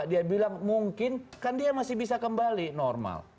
dia bilang mungkin kan dia masih bisa kembali normal